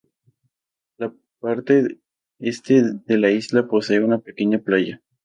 La parte este de la isla posee una pequeña playa.